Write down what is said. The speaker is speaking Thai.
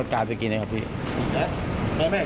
สำนับสวนเก็บเงินของก่าว